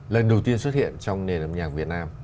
lần đầu tiên xuất hiện trong nền âm nhạc việt nam